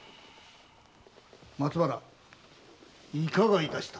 松原いかがいたした？